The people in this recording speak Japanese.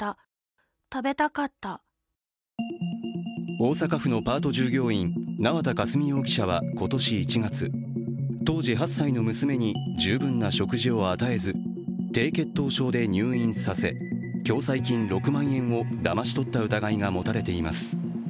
大阪府のパート従業員、縄田佳純容疑者は当時８歳の娘に十分な食事を与えず、低血糖症で入院させ、共済金６万円をだまし取った疑いが持たれています。